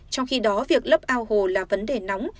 trong khi đó việc lấp ao hồ là vấn đề nóng